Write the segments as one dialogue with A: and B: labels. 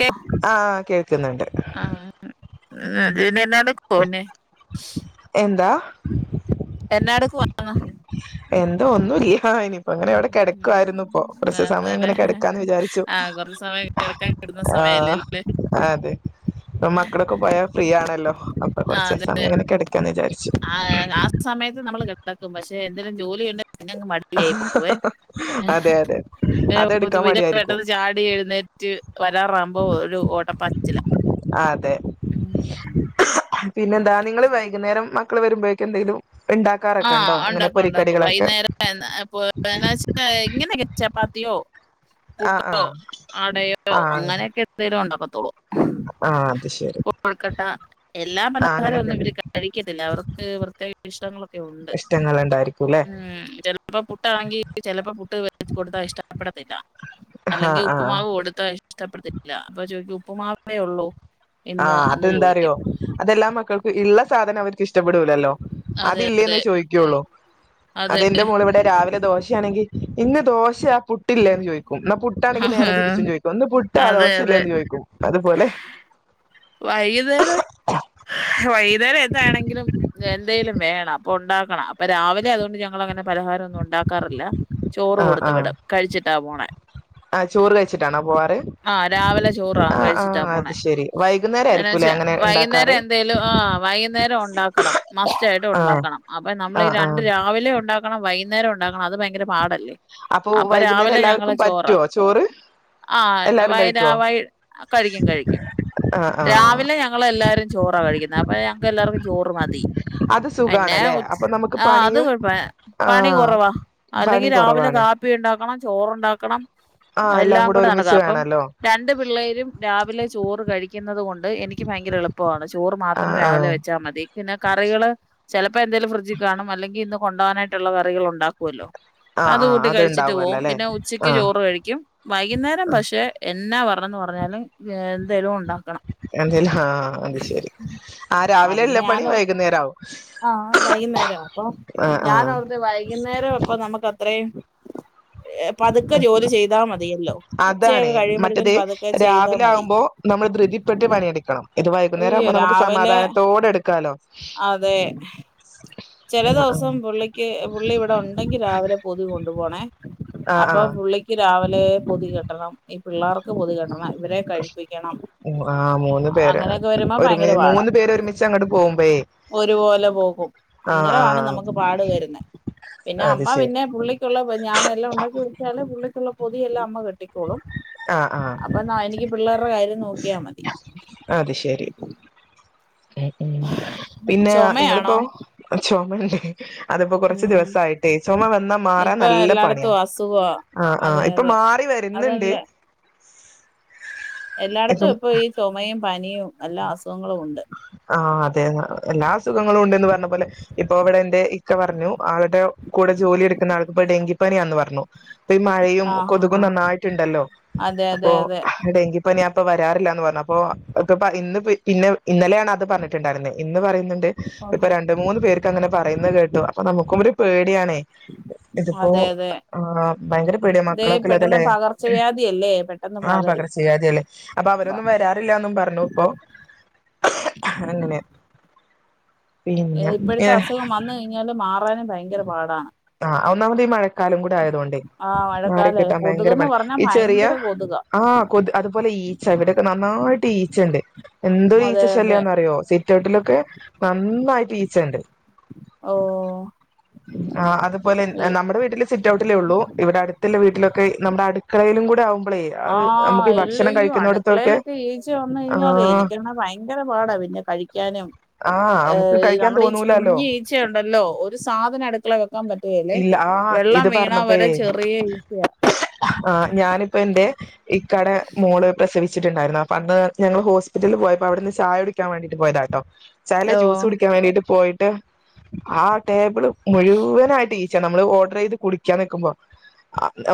A: കേ
B: ആ കേൾക്കുന്നുണ്ട്
A: [unintelligible] അടേക്ക് പോനെ
B: എന്താ
A: [unintelligible]
B: എന്താ ഒന്നുല്ല ഇനി അപ്പ അങ്ങനെ ഇവടെ കെടക്കായിരുന്നു ഇപ്പൊ കൊറച്ച് സമയം
A: അതേല്ലേ
B: ഇങ്ങനെ കെടക്കാന്ന് വിചാരിച്ചു
A: ആഹ് കൊറച്ച് സമയം കിടക്കാൻ കിട്ടുന്ന
B: ആ
A: സമയല്ലേ അല്ലേ
B: അതെ ഇപം മക്കളൊക്കെ പോയാ ഫ്രീ ആണല്ലോ അപ്പൊ കോറച്ച് സമയം ഇങ്ങനെ കേടക്കാന്ന് വിചാരിച്ച്
A: ആ ആ സമയത്ത് നമ്മൾ [unintelligible] പക്ഷെ എന്തെങ്കും ജോലിചെയ്യുന്ന പിന്നങ്ങ് മടിയായി പോവേ
B: അതെ അതെ അതെടുക്കാൻ
A: പിന്നെ
B: മടിയായിരിക്കും
A: പെട്ടെന്ന് ചാടി എഴുന്നേറ്റ് വരാറാവുമ്പോ ഒരു ഓട്ടപ്പാച്ചിലാ
B: അതെ പിന്നെന്താ നിങ്ങള് വൈകുന്നേരം മക്കള് വരുമ്പോഴേക്ക് എന്തെങ്കിലും ഇണ്ടാക്കാറൊക്കെ ഒണ്ടോ അങ്ങനെ പൊരിക്കടികളൊക്കെ
A: അപ്പൊ വേണോ വെച്ചാ ഇങ്ങനൊകെ ചപ്പാത്തി
B: ആഹ്
A: പുട്ടോ
B: ആഹ്
A: അടയോ
B: ആഹ്
A: അങ്ങനൊക്കെ എന്തേലും ഒണ്ടാക്കും [unintelligible]
B: ആഹ് അത് ശരി
A: കോഴുക്കട്ട എല്ലാ
B: ആഹ്
A: പലഹാരൊന്നും
B: അങ്ങനെയൊക്കെ
A: ഇവര് കഴിക്കത്തില്ല അവർക്ക് പ്രത്യേക ഇഷ്ടങ്ങളൊക് കെയുണ്ട്
B: ഇഷ്ടങ്ങളുണ്ടായിരിക്കും അല്ലെ
A: മ്മ് ചെലപ്പോ പുട്ടാണെങ്കി ചെലപ്പോ പുട്ട് വേവിച് കൊടുത്താ ഇഷ്ടപ്പെടത്തില്ല
B: ആഹ്
A: അല്ലെങ്കിൽ
B: ആഹ്
A: ഉപ്പുമാവ് കൊടുത്താ ഇഷ്ടപ്പെടത്തില്ല അപ്പൊ ചോദികും ഉപ്പമാവേ ഒള്ളൂ
B: ആ അതെന്താറിയോ അതെല്ലാ മക്കൾക് ഇള്ള സാധനം അവര് ഇഷ്ടപ്പെടൂലല്ലോ
A: അതെ
B: അതില്ലേന്നേ ചോയിക്കൊള്ളൂ
A: അതെ
B: അതെന്റെ മോളിവിടെ രാവിലെ ദോശയാണെങ്കിൽ ഇന്ന് ദോശയാ പുട്ടില്ലേന്ന് ചോദിക്കും എന്ന പുട്ടാണെങ്കി നേരെ തിരിച്ചും ചോദിക്കും ഇന്ന് പുട്ടാ
A: അതെ
B: ദോഷില്ലേ
A: അതെ
B: എന്ന് ചോയിക്കും അതുപോലെ
A: വൈകുന്നേരം വൈകുന്നേരം ഏതാണെങ്കിലും എന്തേലും വേണം അപ്പൊ ഒണ്ടാക്കണം അപ്പൊ രാവിലെ അതുകൊണ്ട് ഞൾങ്ങനെ പലഹാരൊന്നും ഒണ്ടാക്കാറില്ല ചോറ്
B: ആഹ്
A: കൊടുത്ത്
B: ആഹ്
A: വിടും കഴിച്ചിട്ടാ പോണേ
B: ആഹ് ചോറ് കഴിച്ചിട്ടാണോ പോവാറ്
A: ആ രാവിലെ ചോറാ
B: ആഹ്
A: കഴിച്ചിട്ടാ
B: ആഹ് അത്
A: പോണേ
B: ശെരി വൈകുന്നേരം
A: എന്ന
B: ആയിരിക്കൂലേ
A: വെച്ചാ
B: അങ്ങനെ
A: വൈകുന്നേരം
B: ഇണ്ടാക്കാറ്
A: എന്തേലും ആ വൈകുന്നേരം ഒണ്ടാക്കണം മസ്റ്റായിട്ട്
B: ആഹ്
A: ഒണ്ടാക്കണം അപ്പൊ നമ്മൾ ഈ
B: ആഹ്
A: രണ്ട്
B: ആഹ്
A: രാവിലെ ഉണ്ടാക്കണം വൈകുന്നേരം ഉണ്ടാകണം അത് ഭയങ്ക ഭയങ്കര പാടല്ലേ അപ്പൊ
B: വൈകുന്നേരം
A: രാവിലെ
B: എല്ലാവർക്കും
A: ഞങ്ങള് ചോറാ
B: പറ്റുവോ ചോറ്
A: ആ
B: എല്ലാരും
A: വയരാ
B: കഴിക്കുവോ
A: വയ് കഴിക്കും കഴിക്കും
B: ആഹ് ആഹ്
A: രാവിലെ ഞങ്ങളെല്ലാരും ചോറാ കഴിക്കുന്നേ അപം ഞങ്ങക്ല്ലാർക്കും ചോറ് മതി
B: അത്
A: പിന്നെ
B: സുഖാണല്ലേ
A: ഉച്
B: അപ്പൊ നമുക്ക്
A: ആ അത്
B: പണിയും
A: കൊഴപ പണി
B: ആഹ്
A: കൊറവാ അല്ലെങ്കി
B: പണി
A: രാവിലെ
B: കൊറവാണ്
A: കാപ്പി ഉണ്ടാക് ണം ചോറുണ്ടാക്കണം
B: ആഹ്
A: എല്ലാം കൂടെ നടക്കാ
B: ഒരുമിച്ച്
A: അപ്പം
B: വേണല്ലോ
A: രണ്ട് പിള്ളേരും രാവിലെ ചോറ് കഴിക് കൊണ്ട് എനിക്ക് ഭയങ്കര എളുപ്പവാ ചോ ചോറ് മാത്രം
B: ആഹ് ആഹ്
A: രാവിലെ വെച്ചാ മതി പിന്നെ കറികള് ചെലപ്പോ എന്തേലും ഫ്രിഡ്ജ് കാണും അല്ലങ്കി ഇന്ന് കൊണ്ടോകാനായിട്ടുള്ള കറികള് ഉണ്ടാക്കുവല്ലോ
B: ആഹ്
A: അത്
B: ആഹ്
A: കൂട്ടി കഴിച്ചിട്ട്
B: അത്ണ്ടാവല്ലോ
A: പോകും
B: അല്ലെ
A: പിന്നെ ഉച്ചക്ക്
B: ആഹ്
A: ചോറ് കഴിക്കും വൈകുന്നേരം
B: ആഹ്
A: പക്ഷെ എന്നാ പറഞ്ഞത് പറഞ്ഞാല് [unintelligible] ക
B: അല്ല ആ അത് ശരി ആ രാവിലെ ഇല്ല
A: പിന്നെ
B: പണി
A: ഞാനോർ
B: വൈകുന്നേരാവും
A: ആ വൈകുന്നേരം അപ്പൊ
B: ആഹ്
A: ഞാന്
B: ആഹ്
A: ഓർത്ത് വൈകുന്നേരം അപ്പൊ നമുക്ക് ത്രയും ഹേ പതുക്കെ ജോലി ചെയ്താ മതിയല്ലോ
B: അതാണ്
A: ഉച്ചയൊക്കെ
B: മറ്റത്
A: കഴിയുമ്പോഴത്തേനും പതുക്കെ ചെയ്താൽ
B: രാവിലെ
A: മതി
B: ആകുമ്പോ നമ്മള് ധൃതിപ്പെട്ട് പണിയെടുക്കണം ഇത് വൈകുന്നേരം
A: അയ്യോ
B: ആകുമ്പം നമുക്ക്
A: രാവിലെ
B: സമാധാനത്തോടെ എടുക്കാലോ
A: അതെ ചില
B: ആഹ് ആഹ്
A: ദിവസം പുള്ളിക്ക് പുള്ളി ഇവിടെ ഉണ്ടെങ്കി രാവിലെ പൊതി കൊണ്ടു പോണേ
B: ആഹ്
A: അപ്പൊ പുള്ളിക്ക് രാവിലെ പൊതി ക രണം ഈ പിള്ളേർക്ക് പൊതി കെട്ടണം ഇവരെ കഴിപ്പിക്കണം
B: ആ മൂന്ന് പേര്
A: അങ്ങനെയൊക്കെ വരുമ്പോ ഭയങ്കര
B: ഒരുമി
A: പാടാ
B: മൂന്ന് പേര് ഒരുമിച്ച് അങ്ങട്ട് പോകുമ്പയേ
A: ഒരുപോലെ പോകും അന്നേരമാണ്
B: ആഹ്
A: നമുക്ക് പാട് വരുന്നത് പിന്നെ
B: അത്
A: അമ്മ
B: ശരി
A: പിന്നെ പുള്ളിക്കുള്ള ഞാന എല്ലാം ഉണ്ടാക്കി വെച്ചാല് പുള്ളിക്കുള്ള പൊതി എല്ലാം അമ്മ കെ ട്ടിക്കോളും
B: ആഹ് ആഹ്
A: അപ്പൊ എനിക്ക് പിള്ളേരുടെ കാര്യം നോക്കിയാ മതി
B: അത് ശരി ഉം ഉം പിന്നെ
A: ചുമയാണോ
B: നിങ്ങളിപ്പോ [unintelligible] ഉ അതിപ്പോ കൊറച്ച്
A: ഉം
B: ദിവസായിട്ടേ ചുമ വന്നാ മാറാൻ
A: ഇപ്പൊ
B: നല്ല പണിയാ
A: എല്ലായിടത്തും അസുഖവാ
B: ആ ആ
A: അതെ
B: ഇപ്പൊ
A: അതെ
B: മാറി വരുന്ന്ണ്ട്
A: എല്ലാട് ത്തും ഇപ്പൊ ഈ ചുമയും പനിയും എല്ലാ അസുഖങ്ങളും ഉണ്ട്
B: ആഹ അതെ എല്ലാ അ സുഖങ്ങളും ഉണ്ട്ന്ന് പറഞ്ഞ പോലെ ഇപ്പൊ ഇ വിടെ എന്റെ ഇക്ക പറഞ്ഞു ആളുടെ കൂടെ ജോലി എടുക്കുന്ന ആൾക്ക് ഇപ്പൊ ഡെങ്കിപ്പനിയാന്ന് പറഞ്ഞു പ്പൊ ഈ മഴയും
A: ആഹ്
B: കൊതുകും
A: ആഹ് ആഹ്
B: നന്നായിട്ടുണ്ടല്ലോ
A: അതെ
B: അപ്പൊ
A: അതെ അതെ
B: ഡെങ്കി പ്പൊ ഞാ പ്പൊ വരാറില്ല ന്ന് പറഞ്ഞു അപ്പൊ ഇപ്പ ഇന്ന് പിന്നെ ഇന്നലെയാണ് അത് പറഞ്ഞിട്ടുണ്ടാര് ന്ന് ഇന്ന് പറയുന്നു പ്പൊ രണ്ട് മൂന്ന് പേർ ക്ക ങ്ങനെ പറയുന്ന് കേട്ടു അ നമ്മുക് ഇതിപ്പോ
A: അതെ അതെ
B: ആ ഭയങ്കര പേട്യ
A: ഇതേ പെട്ടെന്ന്
B: മക്കളൊക്കെള്ളതല്ലേ
A: പകർച്ചവ്യാധിയല്ലേ പെട്ടെന്ന്
B: ആ
A: പകരും
B: പകർച്ച വ്യാധികള് അപ്പൊ അവരൊന്നും വരാറില്ലാന്നും പറഞ്ഞു പ്പോ അങ്ങനെ പിന്നെ
A: ഇപ്പോഴത്തെ അസുഖം വന്ന് കഴിഞ്ഞാലും മാറാനും ഭയങ്കര പാ
B: അ ഒന്നാമത് ഈ മഴക്കാലം കൂടെ ആയതോണ്ടെ
A: ആഹ്
B: യ് മാറി
A: മഴക്കാല
B: കിട്ടാൻ ഭയങ്കര
A: കൊതുകെന്ന് പറഞ്ഞാ
B: പണിഈ ചെറിയ
A: ഭയങ്കര കൊതുകാ
B: ആ കൊത് അതുപോലെ ഈച്ച ഇവിടെയക്കെ നന്നായി ടീച്ചണ്ട് എന്തോ
A: അതെ
B: ഈച്ച
A: അതെ
B: ശല്യാന്നറിയോ സിറ്റൗട്ടിലൊക്കെ നന്നായിട്ട് ഈച്ചണ്ട്
A: ഓ
B: ആ അതുപോലെ നമ്മുടെ വീട്ടില് സിറ്റ് ഔട്ടിലേ ഉള്ളൂ ഇവിടെ അടുത്തുള്ള വീട്ടിലൊക്കെ നമ്മുടെ അടുക്കളയിലും കൂ [unintelligible]
A: ആ എല്ലയോ അടുക്കളയിലൊക്കെ ഈച്ച വന്നു കഴിഞ്ഞാലേ
B: ആ
A: എനിക്കണ ഭയങ്കര പാടാ പിന്നെ കഴിക്കാനും
B: ആഹ്
A: ഏ
B: നമുക്ക് കഴിക്കാൻ
A: നമ്മടെ ഈ
B: തോന്നൂലല്ലോ
A: കുഞ്ഞ് ഈച്ചയുണ്ടല്ലോ ഒരു സാധനം അടുക്കള വെ
B: ഇല്ല ആ ഇത്
A: വരെ
B: പറഞ്ഞപ്പയേ
A: ചെറിയ ഈച്ചയാ
B: ആ ഞാനിപ്പ ഇപ്പന്റെ ഇക്കാടെ മോള് പ്രസവി വച്ചിട്ടുണ്ടായിര്ന്ന് അപ്പൊ അന്ന് ഞങ്ങള് ഹോസ്പിറ്റലിൽ പോയപ്പോ അവിടുന്ന് ചായുടിക്കാൻ വേണ്ടിട്ട് പോയതാട്ടോ ചാലെ
A: ഓ
B: ജ്യൂസ് കുടിക്കാൻ വേണ്ടീട്ട് പോ ട്ട് ആ ടേബിൾ മുഴുവനായി ടീച്ച നമ്മള് ഓർഡറെയ്ത് കുടിക്കാൻ നിക്കുമ്പോ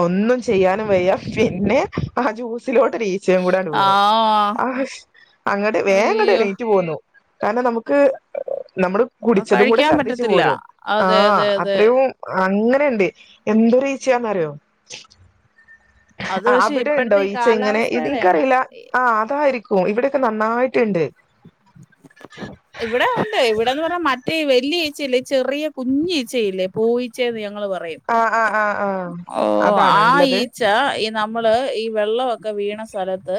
B: ഒന്നും ചെയ്യാനും വയ്യ പിന്നെ ആ ജ്യൂ സിലോട്ട് ഒരീച്ചയും കൂടണ്ട് വീണു
A: ആഹ്
B: ആഷ് അങ്ങട് വേങ്ങട്
A: അയ്യോ
B: എണീ റ്റ് പോന്നു കാരണം നമുക്ക് നമ്മള് കുടിച്ചതും കൂടെ
A: കഴിക്കാൻ
B: ശർദ്ദിച്ച്
A: പറ്റത്തില്ല
B: പോരും ആ
A: അതെ അതെ അതെ
B: ഉം അങ്ങനെണ്ട് എന്തൊരു ച്ചന്നറിയോ
A: അത്
B: ആ
A: പക്ഷെ
B: അവിടെ ഉണ്ടോ
A: ഇപ്പഴത്തെ ഈ
B: ഈച്ച ഇങ്ങനെ
A: കാലാവസ്ഥയുടെയാണ്
B: എനിക്കറീല്ല
A: ഇ-
B: ആ അതായിരി കോ ഇവിടെക്ക ന ന്നായിട്ടുണ്ട്
A: വല്യച്ചയില്ലേ ഈ ചെറിയ കുഞ്ഞീച്ചയില്ലേ പൂയ്ച്ചറിയാ
B: ആ ആ ആ
A: ഓ ആ ഈച്ച എ നമ്മള് ഈ വെള്ളവൊക്കെ വീണസ്ഥലത്ത്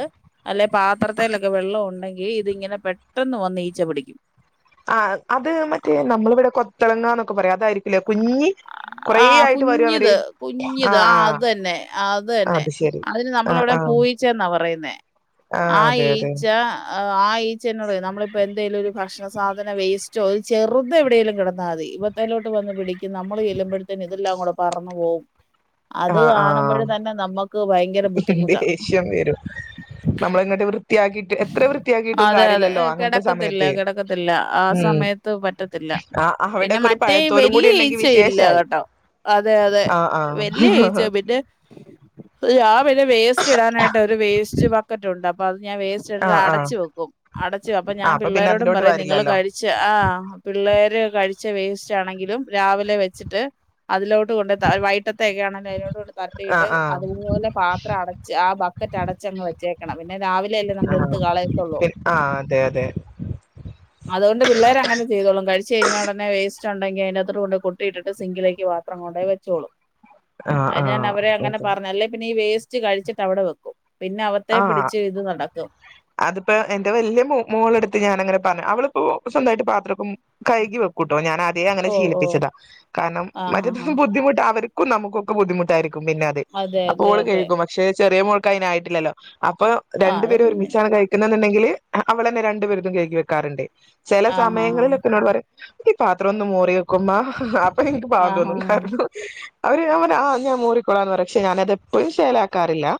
A: അല്ലെ പാത്രത്തിലൊക്കെ വെള്ളം ഉണ്ടെങ്കി ഇതിങ്ങനെ പെട്ടെന്ന് വന്ന് ഈച്ച പിടിക്കും
B: ആ അത് മറ്റേ നമ്മളിവിടെ കൊത്തളങ്ങാന്നൊക്കെ പറയും അതായിരിക്കുലേ കുഞ്ഞി കൊറേ
A: ആ
B: ആയിട്ട് വരും അവര്
A: കുഞ്ഞിത് കുഞ്ഞിത്
B: ആഹ്
A: ആ അതന്നെ
B: ആഹ്
A: അതന്നെ
B: അത് ശരി
A: അതിന്
B: ആഹ്
A: നമ്മളിവിടെ
B: ആഹ്
A: പൂയിച്ചെന്നാ പറയുന്ന ന്നെ
B: ആഹ്
A: ആ
B: അതെ അതെ
A: ഈച്ച ആ ഈച്ചനോട് നമ്മളിപ്പോൾ എന്തെങ്കിലും ഒരു ഭക്ഷണ സാധന വേസ്റ്റോ ഒരു ചെറുത് എവിടെങ്കിലും കിടന്നാൽ മതി ഇവത്തലോട്ട് വന്ന് പിടിക്കും നമ്മൾ ചെല്ലുമ്പോഴത്തേന് ഇതെല്ലാം കൂടെ പറന്നു പോകും അത്
B: ആഹ് ആഹ്
A: കാണുമ്പോഴ് തന്നെ നമ്മുക്ക്
B: ദേഷ്യം വരും നമ്മള് അങ്ങോട്ട് വൃ
A: അതെ അതെ
B: അങ്ങനത്തെ
A: കിടക്കത്തില്ല
B: സമയത്ത്
A: കിടക്കത്തില്ല ആ
B: ഉം
A: സമയത്ത് പറ്റത്തില്ല
B: ആ
A: പിന്നെ
B: അവിടെക്കെ ഒരു
A: മറ്റേ
B: പഴത്തോലും
A: വലിയ
B: കൂടി ഉണ്ടെങ്കി
A: ഈഴ്ച്ചയില്ല
B: വിശേഷായി
A: കേട്ടോ അതെ അതെ
B: ആ ആ
A: വലിയ ഈച്ച പിന്നെ പിന്നെ വേസ്റ്റ് ഇടാനായിട്ട് ഒരു വേസ്റ്റ് ബക്കറ്റ് ഉണ്ട് അപ്പ പറഞ്ഞ വേ ചേട്ടർ
B: ആ ആ
A: അടച്ചു വെക്കും അടച്ചു അപ്പൊ
B: ആ
A: ഞാൻ
B: പിന്നെ
A: പിള്ളേരോടും
B: അതിലോട്ട്
A: പറയും നിങ്ങള്ൾ
B: വരില്ലല്ലോ
A: കഴിച്ച ആ പിള്ളേര് കഴിച്ച വേസ്റ്റ് ആണെങ്കിലും രാവിലെ വെച്ചിട്ട് അതിലോട്ട് വൈറ്റത്തൊക്കെ ആണെ അതിനോട്
B: ആ
A: തട്ടിയിട്ട്
B: ആ
A: അതുപോലെ പാം അടച്ച് ആ ബക്കറ്റ് അടച്ചങ്ങ് വെച്ചേക്കണം പിന്നെ രാവിലെ എല്ലാം
B: ആ
A: ളയത്തുള്ള്
B: ആ അതെ അതെ
A: അുകൊണ്ട് പിള്ളേരെങ്ങനെ ചെയ്തോളും കഴിച്ച് കഴിഞ്ഞ ഉടനെ വേസ്റ്റ് ഉണ്ടെങ്കിൽ അതിനകത്തോട്ട് കൊണ്ടോയി കോട്ടി ഇട്ടിട്ട് സിങ്കിലോട്ട് പാത്രം കൊണ്ടോയി വെച്ചോളും
B: ആ
A: അത്
B: ആ
A: ഞാൻ അവരെ അങ്ങനെ
B: അതെ
A: പറഞ്ഞല്ലേ പിന്ന വേ വേസ്റ്റ് കഴിച്ചിട്ട് അവിടെ വെക്കും പിന്നെ അവത്തെ
B: ആ
A: പിടിച്ച് ഇത് നടക്കും
B: അതിപ്പോ എന്റെ വലിയ മോളെടുത്ത് ഞാനങ്ങനെ പറഞ്ഞു അവളിപ്പോ സ്വന്തമായിട്ട് പാത്രക്ക കൈകി വെക്കൂട്ടോ ഞാൻ അതേ അങ്ങനെ
A: ഓ ഓ
B: ശീലിപ്പിച്ചതാ കാരണം
A: ആഹ്
B: മറ്റേ
A: ഹാ ഹാ
B: ദിവസം ബുദ്ധിമുട്ട് അവർ നുക്ക ബുദ്ധിമുട്ടാരിക്കും പിന്നെ അതെ അപ്പൊ
A: അതെ
B: ഓള്
A: അതെ
B: കേൾക്കും പക്ഷെ ചെറിയ മോൾക്ക് അതിനായിട്ടില്ലല്ലോ അപ്പൊ
A: ആ
B: രണ്ടു
A: അത്
B: പേര്
A: കുഞ്ഞൻ
B: ഒരുമിച്ചാണ് കഴിക്ക ന്നുണ്ടെങ്കിൽ അവളെന്നെ രണ്ട് പേരുടേം കഴുകി വെക്കാറുണ്ട് ചില
A: ആഹ് ഹാ ഹാ
B: സമയങ്ങളിലൊക്കെ എന്നോട് പറയും ഇ പാത്രംന്ന് മോറി വെക്കോ അമ്മ ഇൻക് പാവം
A: ആഹ് ഹാ
B: തോന്നും കാരണം അവര് ഞാൻ പർഞ്ഞ് ആ ഞാൻ മോറിക്കൊളാന്ന് പറിം പക്ഷെ ഞാനതെപ്പളും ശേലാ ആക്കാറില്ല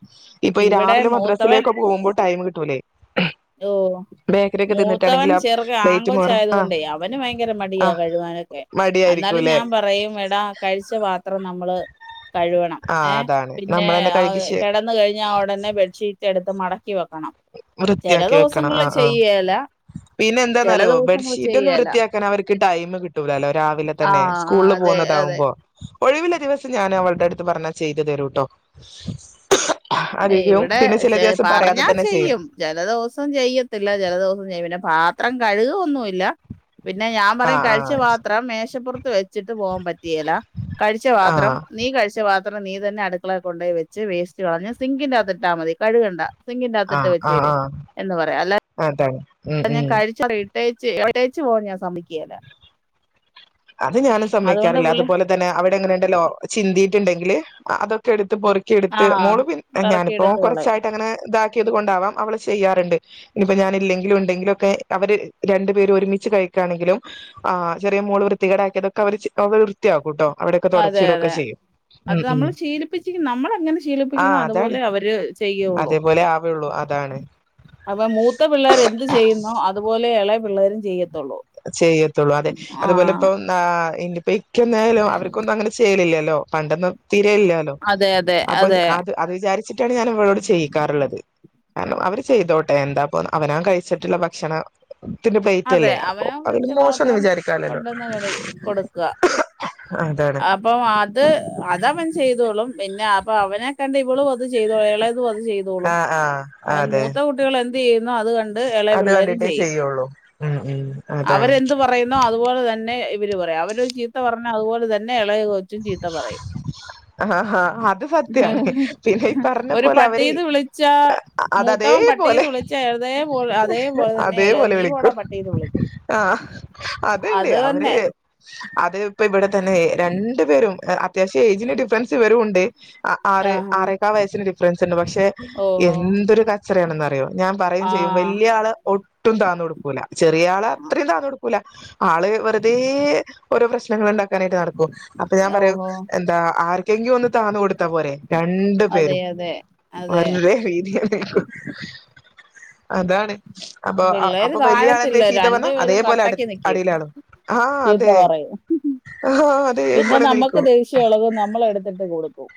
B: ഇപ്പൊ ഈ രാ
A: ഇവിടെ
B: വിലെ
A: മൂത്തവൻ
B: മദ്രസിലേക്കൊ പോവുമ്പോ ടൈം കി ട്ടൂലെ
A: ഓ മൂത്തവൻ
B: തിന്നിട്ടാണെങ്കിൽ ആ
A: ചെറുക്കെ
B: പ്ലേറ്റ് മാറും
A: ആങ്കൊച്ചായത്
B: ആ
A: കൊണ്ടേ അവന് ഭയങ്കര
B: ആ
A: മടിയാ കഴുവാനൊക്കെ അന്നാലും
B: മടിയായിരിക്കൂല്ലേ
A: ഞാൻ പറയും എടാ കഴിച്ച പാത്രം നമ്മള് കഴുവണം
B: ആ
A: ഏ
B: അതാണ്
A: പിന്നേ
B: നമ്മളന്നെ കഴുകി ശേ
A: കിടന്ന കഴിഞ്ഞാൽ ഉടനെ ബെഡ്ഷീറ്റ് എടുത്ത് മടക്കി വെക്കണം ചില
B: വൃത്തിയാക്കി വെക്കണം ആ
A: ദിവസങ്ങളില്
B: ആ
A: ചെയ്യേല
B: പിന്നെ
A: ചില
B: എന്താന്നറിയോ
A: ദിവസങ്ങൾ
B: ബെഡ്ഷീറ്റ് ഒന്നും
A: ചെയ്യേല
B: വൃത്തിയാക്കാൻ അവർക്ക് ടൈം കിട്ടൂലല്ലോ രാവിലെ
A: ആ
B: തന്നെ
A: ആ,
B: സ്കൂളിൽ
A: അതെ അതെ
B: പോകുന്നതാകുമ്പോ ഒഴിവില്ല ദിവസം ഞാൻ അവളുടെ അടുത്ത് പറഞ്ഞാ ചെയ്തു തരൂട്ടോ
A: ഏ,
B: അധിക്യും
A: ഇവിടെ
B: പിന്നെ ചില
A: ചെ-
B: ദിവസം പറയാതെ
A: പറഞ്ഞാ
B: തന്നെ
A: ചെയ്യും ചെല ദിവസം ചെയ്യത്തില്ല ചെലദിവസം ചെയ്യും പിന്നെ പാ ത്രം കഴുകൊന്നുല്ല പിന്നെ ഞാൻ
B: ആ
A: പറയും
B: ആ
A: കഴിച്ച പാത്രം മേശപ്പുർ ത്ത് വെ ച്ചിട്ട് പോവാൻ പറ്റുകേല കഴിച്ച
B: ആ
A: പാത്രം നീ കഴിച്ച പാ ത്രം നീ തന്നെ അടുക്കളേ കൊണ്ടോയി വച്ച് വേസ്റ്റ് കളഞ്ഞ് സിങ്കിന്റെകത്തിട്ടാൽ മതി കഴുകണ്ട സിങ്കിന്റെ
B: ആ
A: അകത്തിട്ട്
B: ആ
A: വെച്ചേര്
B: ആ
A: എന്ന് പറയാ അല്ല
B: അതാണ് ഉം
A: ഞാൻ
B: ഉം
A: കഴിച്ച കളയും ടേച്ച് ഇട്ടേച്ചു പോവാൻ ഞാൻ സമിക്കേല
B: അത് ഞാനും സമ്മയ്ക്കാറില്ല
A: പുള്ളി
B: അതുപോലെ തന്നെ അവിടെ ഇങ്ങനെണ്ടല്ലോ ചിന്തി ട്ട്ണ്ടെങ്കിൽ അതൊക്കെ എടു ത്ത് പൊറുകിയെടുത്ത്
A: ആഹ്
B: മോള് പി ഞാനിപ്പോ
A: പെറക്കിയെടുത്ത് കളയും
B: കുറച്ചായിട്ട് അങ്ങനെ ഇതാക്കിയത് കൊണ്ടാവാം അവള് ചെയ്യാറിണ്ട് ഇനിയിപ്പോ ഞാന് ഇല്ലെങ്കിലും ഉണ്ടെങ്കിലും ഒക്കെ അവര് രണ്ടു പേര് ഒരുമിച്ച് കഴിക്കുകയാണെങ്കിലും ആ ചെറിയ മോള് വൃ ത്തി കേടാക്കിയതൊക്കെ അവർ അവൾ വൃത്തിയാക്കുട്ടോ
A: അതെ അതെ അത്
B: ഉം
A: നമ്മൾ ശീലിപ്പിച്ച് [unintelligible] നമ്മളെങ്ങനെ
B: ആ
A: ശീലിപ്പിക്കുന്ന
B: അതാണ്
A: അതുപോലെ അവര് ചെയ്യുള്ളൂ
B: അതേപോലെ ആവുള്ളൂ അതാണ്
A: അപ്പം മൂത്ത പിള്ളേർ എന്ത് ചെയ്യുന്നോ അതുപോലെ എളയ പിള്ളേരും ചെയ്യ
B: ചെയ്യത്തുള്ളൂ അതെ അതുപോലെ ഇപ്പം ആ [unintelligible] [unintelligible] അവർക്കൊന്നങ്ങനെ ചെയ്യലില്ലല്ലോ ല്ലോ പണ്ടൊന്നും തിരേയില്ലാല്ലോ
A: അതെ അതെ
B: അപ്പം
A: അതെ
B: അത് അത് വിചാരിച്ചിട്ടാണ് ഞാൻ അവളോട് ചെയ്യിക്കാറുള്ളത് കാരണം അവര് ചെയ്തോട്ടെ എന്താ പോ അവനവൻ കഴിച്ചിട്ടുള്ള ഭക്ഷണം ത്തിന്റെ പേറ്റല്ലേ അപ്പൊ അതില് മോശംന്ന്
A: പത്രം
B: വിചാരിക്കാലല്ലോ
A: കൊണ്ടന്ന് കളി കൊടുക്കുക
B: അതാണ്
A: അപ്പ അത് അതാ ചെയ്തോളും പിന്നെ അപ്പൊ അവനെ കണ്ട് ഇവളും അത് ചെയ്തോളും അത് ചെയ്തോളും
B: ആഹ് ആഹ്
A: അവൻ
B: അതെ
A: മൂത്ത കുട്ടികൾ എ എന്തയ്യുന്നോ അത് കണ്ട ണ്ട് ഇള
B: അത്
A: പിള്ളേരും
B: കണ്ടിട്ടേ
A: ചെയ്യും
B: ചെയ്യുള്ളൂ ഉം ഉം അതാണ്
A: അവരെന്ത് പറയുന്നോ അതുപോല തൻ ന്നെ ഇവര് പറയാ അവരോ ചീത്ത പറഞ്ഞ അതുപോലെ തന്നെ അയാ എളേ കൊച്ചും ചീത്ത പറയും
B: ആഹ് അത് സത്യാണ് പിന്നെ ഈ പറഞ്ഞ
A: ഒരു
B: പോലെ അവര്
A: പട്ടീന്ന് വിളിച്ചാ
B: അത്
A: മൂത്തവൻ പട്ടീന്ന്
B: അതേപോലെ
A: വിളിച്ചാ എ തേപോല അതേപോലെ തന്നെ എളേത് നീ പോടാ പട്ടീന്ന് വിളിക്കും
B: ആ അത്ണ്ട്
A: അത്
B: അവര്
A: തന്നെ
B: അത് ഇപ്പ ഇവിട തന്നെ രൺ പ്പ് വരും അ അത്യാവശ്യ ഏജിന് ഡിഫറൻസ് വരും ഒണ്ട് അ ആറ്
A: ആഹാ
B: ആറേകാ വയസ്സിന് ഡിഫറൻസ് ഉണ്ട് പക്ഷെ
A: ഓഹോ
B: എന്തൊരു ക ടെയോ ഞാൻ പറയും
A: ആ
B: ചെയ്യും വലിയ ആള് ഒൾ ഒട്ടും താന്ന് കൊടുക്കൂല ചെറിയ ആളാ അത്രയും താന്ന് കൊടുക്കൂല ആള് വെറുതേ ഓരോ പ്രശ്നങ്ങൾ ഉണ്ടാക്കാനായിട്ട് നടക്കും അപ്പൊ ഞാൻ പറയു
A: ഓഹോ
B: എന്താ ആർക്കെങ്കി ഒന്ന് താന്നു കൊടുത്താ പോരെ രണ്ടു
A: അതെ
B: പേരും
A: അതെ അതെ
B: വരുന്ന്തേ [unintelligible] അതാണ് അപ്പോ അ
A: പിള്ളേര്
B: അപ്പൊ വലിയ ആളെന്തെ
A: താഴത്തില്ല
B: ശീത്ത പറഞ്ഞാ
A: രണ്ടുപേരും
B: അതേപോലെ അട്ത്ത്
A: കട്ടക്ക് നിക്കും
B: അടിയിലാളും ആ
A: ചീത്ത
B: അതെ
A: പറയും പിന്നെ
B: അതേപോലെ
A: നമ്മക്ക്
B: നിൽക്കും
A: ദേഷ്യം എളകും നമ്മള് എട്ത്തിട്ട് കൊട്- ഓ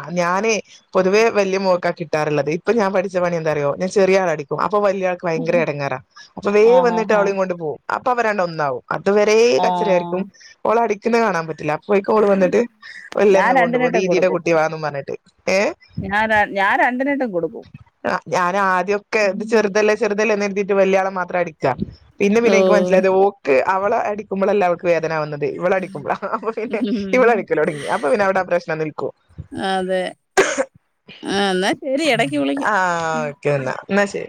B: അ ഞാനേ പൊത്‌വേ വല്യ മൊഖകാട്ട്റിള്ളത് ഇപ്പൊ ഞാൻ പഠിച്ച പണി എന്താറിയോ ഞാൻ ചെറിയ ആളെ അടിക്കും അ ഇപ്പൊ വല്യ ആൾക്ക് ഭയങ്കര എടങ്ങേറ അപ്പൊ വേ
A: ആഹ്
B: വന്നിട്ട്
A: ആഹ് ആഹ്
B: അവളേം കൊണ്ട് പോവും അപ്പൊ അവരണ്ടും ഒന്നാവും അത് വരേ കച്ചറ
A: ആഹ്
B: ആയിരിക്കും ഓളടി പിന്നെ കാണാൻ പറ്റില്ല പോയിക്കോള് വന്നിട്ട് വല്ല
A: ഞാൻ
B: അങ്ങ് കൊണ്ടുപോ
A: രണ്ടിനിട്ടും
B: ദീദീടെ
A: കൊടുക്കും
B: കുട്ട് ങ്ങ് വാന്നും പറഞ്ഞിട്ട് പേ
A: ഞാൻ ര- ഞാൻ രണ്ടിനിട്ടും കൊടുക്കും
B: അ ഞാന് ആദ്യൊക്കെ ഇത്
A: ഉം.
B: ചെറുതല്ലേ ചെറ്ത് തെല്ലെ നിറ്ത്തീട്ട് വല്യ ആള മാത്രം അടി ക്ക്‌യാം ഇന്ന്
A: ഓ
B: പിന്നെ എന്ക്ക് മനസിലായത് ഓക്ക് അവള അടിക്ക്മ്പളല്ല അവൾക്ക് വേദനാവ്ന്നത് ഇവളെടിക്കുമ്പഴാ പിന്നെ
A: ഉം.
B: ഇവളടിക്കല് തൊടങ്ങി അപ്പ പിന്നെ അവ്ട പ്രശ്നം നിൽക്കും
A: അതെ ആ എന്നാ ശരി എടക്ക് വിളിക്ക്
B: ആ
A: മ്
B: ഓക്കെ
A: മ്
B: എന്നാ എന്നാ ശരി